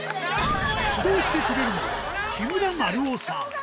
指導してくれるのは、木村就生さん。